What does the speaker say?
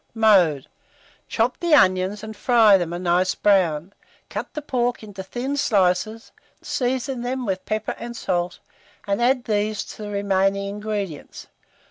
Mode. Chop the onions and fry them of a nice brown, cut the pork into thin slices, season them with pepper and salt, and add these to the remaining ingredients.